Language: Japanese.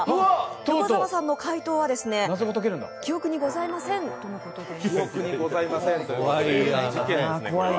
横澤さんの回答は記憶にございませんということです。